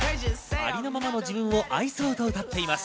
ありのままの自分を愛そうと歌っています。